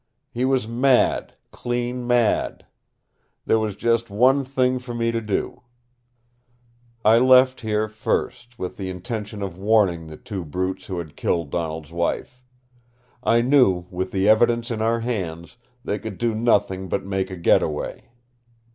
He was mad, clean mad. There was just one thing for me to do. I left here first, with the intention of warning the two brutes who had killed Donald's wife. I knew, with the evidence in our hands, they could do nothing but make a getaway.